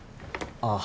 ああ。